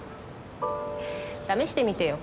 試してみてよ。